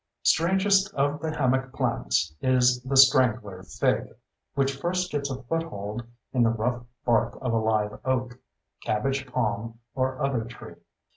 Strangest of the hammock plants is the strangler fig, which first gets a foothold in the rough bark of a live oak, cabbage palm, or other tree.